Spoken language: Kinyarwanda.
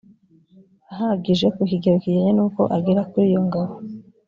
ahagije ku kigero kijyanye n uko agera kuri iyo ngabo